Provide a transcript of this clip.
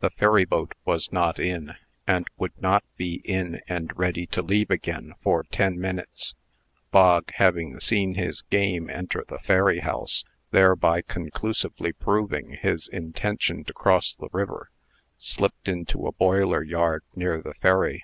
The ferry boat was not in, and would not be in, and ready to leave again, for ten minutes. Bog, having seen his game enter the ferry house, thereby conclusively proving his intention to cross the river, slipped into a boiler yard near the ferry.